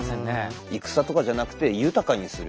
戦とかじゃなくて豊かにする。